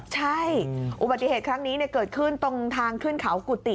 ใช่อุบัติเหตุครั้งนี้เกิดขึ้นตรงทางขึ้นเขากุฏิ